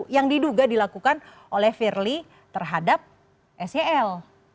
yang diduga dilakukan oleh firly terhadap sel